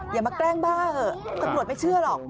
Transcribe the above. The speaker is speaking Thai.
อย่ามาแกล้งบ้าเหอะตำรวจไม่เชื่อหรอก